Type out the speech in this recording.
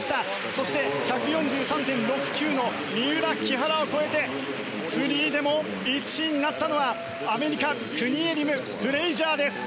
そして１４３．６９の三浦、木原を超えてフリーでも１位になったのはアメリカクニエリム、フレイジャーです。